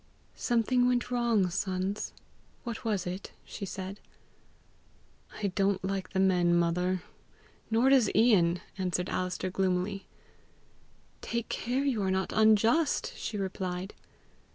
"Something went wrong, sons: what was it she said?" "I don't like the men, mother; nor does Ian," answered Alister gloomily. "Take care you are not unjust!" she replied.